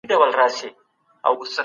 عمه دي کله غواړي چي تاسي ورسئ؟